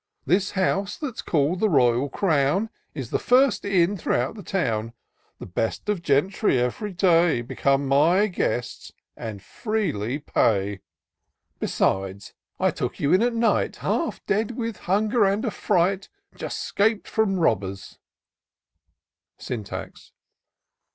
This house, that's called the Royal Crown, Is the first inn throughout the town : The best of gentry, ev'ry day, Become my guests and freely pay :\ 32 TOUR OF DOCTOR SYNTAX Besides, I took you in at night, Half dead, with hunger and affiight, Just 'scap'd from robbers," Syntax.